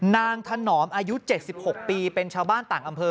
ถนอมอายุ๗๖ปีเป็นชาวบ้านต่างอำเภอ